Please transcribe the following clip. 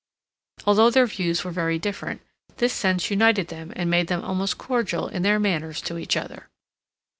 Although their views were very different, this sense united them and made them almost cordial in their manners to each other.